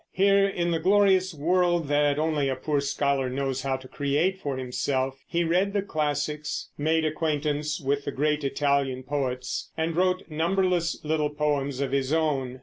Here in the glorious world that only a poor scholar knows how to create for himself he read the classics, made acquaintance with the great Italian poets, and wrote numberless little poems of his own.